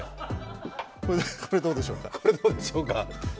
これどうでしょうか。